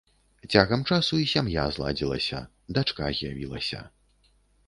Цягам часу і сям'я зладзілася, дачка з'явілася.